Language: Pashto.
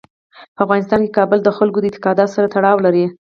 په افغانستان کې کابل د خلکو د اعتقاداتو سره تړاو لري.